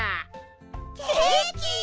ケーキ！